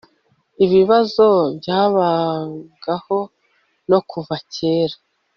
ibibazo byabagaho no kuva kera